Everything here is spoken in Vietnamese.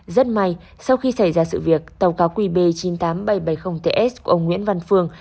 rất may sau khi xảy ra sự việc tàu cá qb chín mươi tám nghìn bảy trăm bảy mươi ts của ông nguyễn văn phương